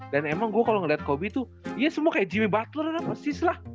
dan emang gue kalo ngeliat kobe tuh iya semua kayak jimmy butler lah persis lah